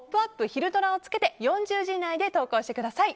ひるドラ」をつけて４０字以内で投稿してください。